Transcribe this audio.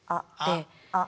あっ。